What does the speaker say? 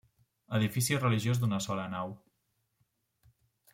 Edifici religiós d'una sola nau.